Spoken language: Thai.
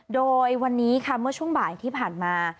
โดยวันนี้ค่ะเมื่อช่วงบ่ายที่ผ่านมา